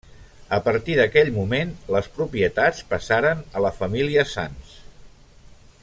A partir d'aquell moment, les propietats passaren a la família Sans.